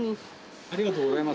ありがとうございます。